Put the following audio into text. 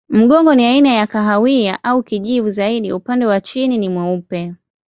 Mgongo ni aina ya kahawia au kijivu zaidi, upande wa chini ni mweupe.